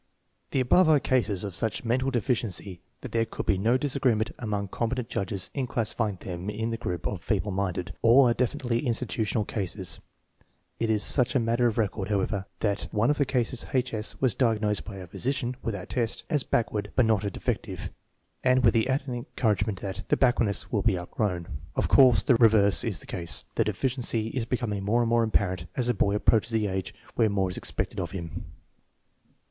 The above are cases of such marked deficiency that there could be no disagreement among competent judges in classifying them in the group of " feeble minded/' All are definitely institutional coses. It is a matter of record* however, that one of the cases, H. S., was diagnosed by a physician (without test) as * c backward but not a. defec tive,'* and with the added encouragement that " the back INTELLIGENCE QUOTIENT SIGNIFICANCE 87 wardness will be outgrown," Of course the reverse is the case; the deficiency is becoming more and more apparent as the 'boy approaches the age where more is expected of him.